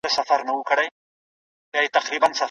هغه مهال چې روغتیا ته جدي پاملرنه وشي، ناروغۍ نه پراخېږي.